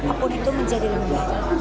apapun itu menjadi lebih baik